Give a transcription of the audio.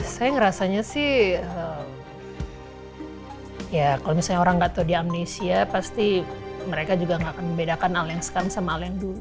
saya ngerasanya sih ya kalau misalnya orang enggak tahu di amnesia pasti mereka juga enggak akan membedakan al yang sekarang sama al yang dulu